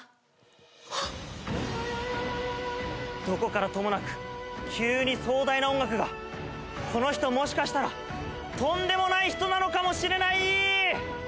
どこからともなく急に壮大な音楽がこの人もしかしたらとんでもない人なのかもしれない！